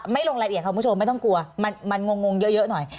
ลงรายละเอียดค่ะคุณผู้ชมไม่ต้องกลัวมันงงเยอะหน่อย